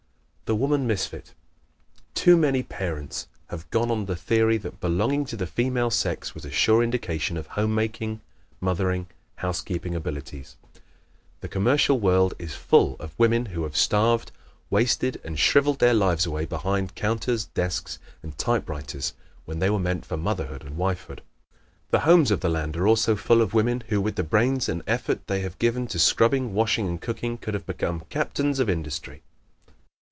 The Woman Misfit ¶ Too many parents have gone on the theory that belonging to the female sex was a sure indication of home making, mothering, housekeeping abilities. The commercial world is full of women who have starved, wasted and shriveled their lives away behind counters, desks and typewriters when they were meant for motherhood and wifehood. The homes of the land are also full of women who, with the brains and effort they have given to scrubbing, washing and cooking, could have become "captains of industry."